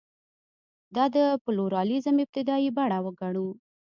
دا د پلورالېزم ابتدايي بڼه وګڼو.